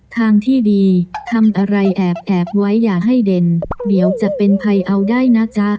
ทางที่ดีทำอะไรแอบไว้อย่าให้เด่นเดี๋ยวจะเป็นภัยเอาได้นะจ๊ะ